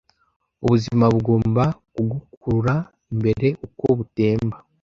Ubuzima bugomba kugukurura imbere uko butemba,